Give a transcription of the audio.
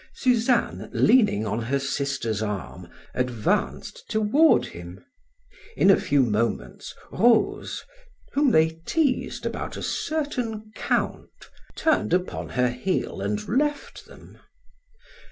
Suzanne, leaning on her sister's arm, advanced toward him. In a few moments, Rose, whom they teased about a certain Count, turned upon her heel and left them.